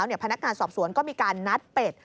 พนักงานสอบสวนก็มีการนัดเป็ด